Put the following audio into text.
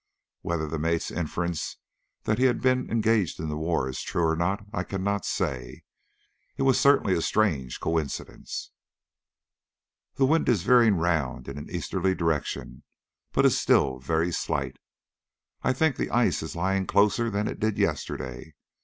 Whether the mate's inference that he had been engaged in the war is true or not I cannot say. It was certainly a strange coincidence. The wind is veering round in an easterly direction, but is still very slight. I think the ice is lying closer than it did yesterday.